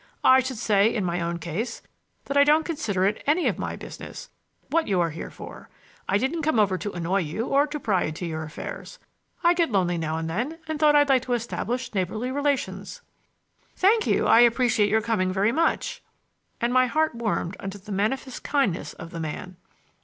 I should say, in my own case, that I don't consider it any of my business what you are here for. I didn't come over to annoy you or to pry into your affairs. I get lonely now and then, and thought I'd like to establish neighborly relations." "Thank you; I appreciate your coming very much," —and my heart warmed under the manifest kindness of the man.